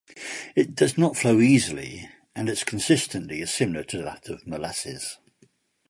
It does not flow easily, and its consistency is similar to that of molasses.